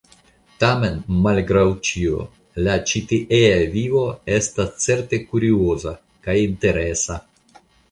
Tamen, malgraŭ ĉio, la ĉitiea vivo estas certe kurioza kaj interesa.